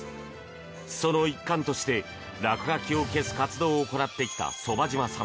その一環として落書きを消す活動を行ってきた傍嶋さん。